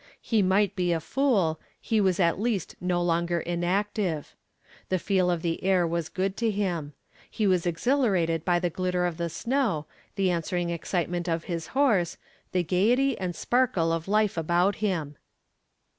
He might be a fool, he was at least no longer inactive. The feel of the air was good to him. He was exhilarated by the glitter of the snow, the answering excitement of his horse, the gaiety and sparkle of life about him.